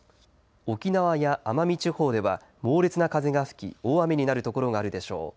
沖縄や奄美地方では猛烈な風が吹き大雨になる所があるでしょう。